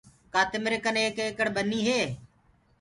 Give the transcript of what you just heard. ڪآ تمرآ ڪني ايڪ ايڪڙ ٻني هي؟